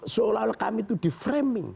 seolah kami itu deframing